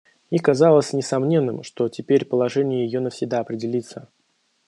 Ей казалось несомненным, что теперь положение ее навсегда определится.